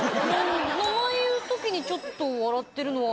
こういうときにちょっと笑ってるのは。